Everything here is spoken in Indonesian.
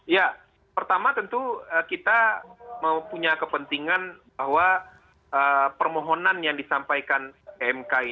ya pertama tentu kita mempunyai kepentingan bahwa permohonan yang disampaikan mki